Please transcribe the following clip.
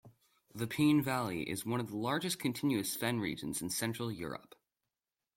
The Peene Valley is one of the largest contiguous fen regions in central Europe.